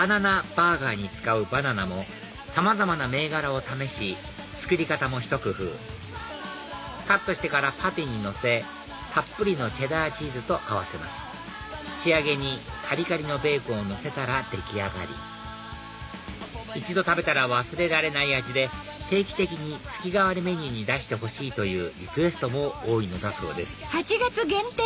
バーガーに使うバナナもさまざまな銘柄を試し作り方もひと工夫カットしてからパテにのせたっぷりのチェダーチーズと合わせます仕上げにカリカリのベーコンをのせたら出来上がり一度食べたら忘れられない味で定期的に月替わりメニューに出してほしいというリクエストも多いのだそうです